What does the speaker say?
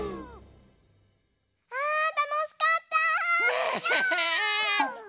あたのしかった！ね。